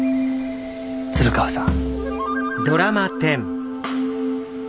鶴川さん。